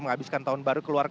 menghabiskan tahun baru keluarga